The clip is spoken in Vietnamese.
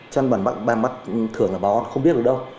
chăn bằng mắt thường là bà con không biết được đâu